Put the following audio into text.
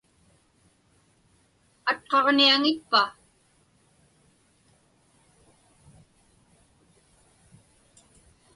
Atqaġniaŋitpa?